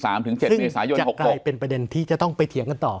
ซึ่งจะกลายเป็นประเด็นที่จะต้องไปเถียงกันต่อ